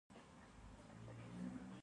انګور د افغانستان په اوږده تاریخ کې ذکر شوي.